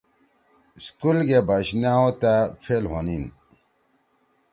سکول گے بش نأو تأ فیل ہونیِن۔